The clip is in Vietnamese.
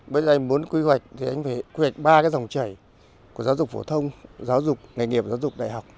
bây giờ anh muốn quy hoạch thì anh phải quy hoạch ba cái dòng chảy của giáo dục phổ thông giáo dục nghề nghiệp giáo dục đại học